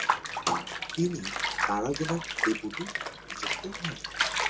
তিনি তারাগোনার ডেপুটি নিযুক্ত হন।